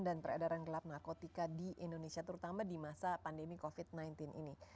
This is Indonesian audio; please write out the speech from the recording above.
dan peredaran gelap narkotika di indonesia terutama di masa pandemi covid sembilan belas ini